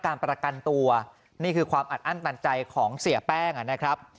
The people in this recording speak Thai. การประกันตัวนี่คือความอัดอั้นตันใจของเสียแป้งนะครับ